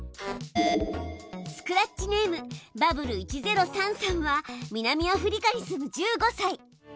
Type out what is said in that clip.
スクラッチネームｂｕｂｂｌｅ１０３さんは南アフリカに住む１５さい。